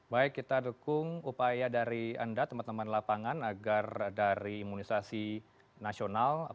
baik kita dukung upaya dari anda teman teman lapangan agar dari imunisasi nasional